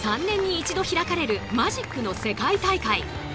３年に一度開かれるマジックの世界大会。